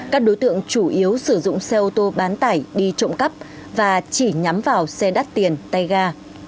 các đối tượng chủ yếu sử dụng xe ô tô bán tải đi trộm cắp và chỉ nhắm vào xe đắt tiền tay ga